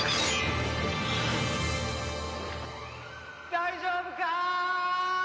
大丈夫かい？